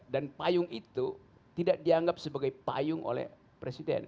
dan payung itu tidak dianggap sebagai payung oleh presiden